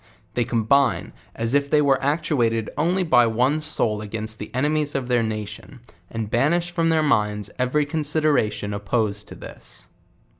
They combine, as if they were actuated only by one soul against the ex.ernies of their na; ion, and banish from their minds every consideration opposed to this.